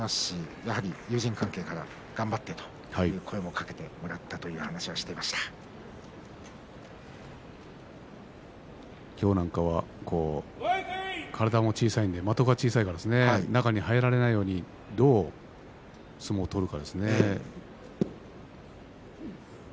やはり友人関係から頑張ってという声もかけて今日なんかは体も小さいので、的が小さいから中に入られないようにどう相撲を取るかですね。